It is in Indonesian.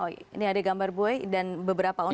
ini ada gambar buoy dan beberapa orang